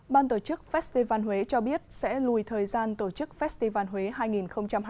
ban tổ chức festival huế cho biết sẽ lùi thời gian tổ chức festival huế hai nghìn hai mươi